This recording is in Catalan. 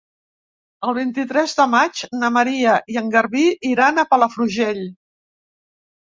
El vint-i-tres de maig na Maria i en Garbí iran a Palafrugell.